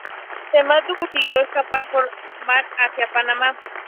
Sámano consiguió escapar por mar hacia Panamá.